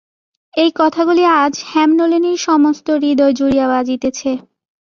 এই কথাগুলি আজ হেমনলিনীর সমস্ত হৃদয় জুড়িয়া বাজিতেছে।